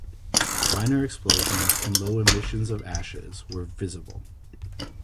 Minor explosions and low emissions of ashes were visible.